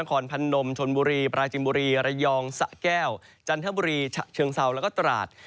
คอนพนมชนบุรีปราจินบุรีระยองสะแก้วจันทบุรีฉะเชิงเซาแล้วก็ตราด